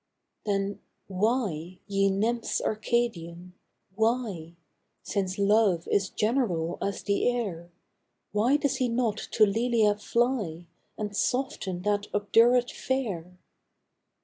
THE DREAM OF LOVE. 71 Then why, ye nymphs Arcadian, why Since Love is general as the air Why does he not to Lelia fly, And soften that obdurate fair?